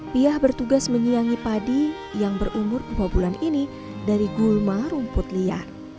piah bertugas menyiangi padi yang berumur dua bulan ini dari gulma rumput liar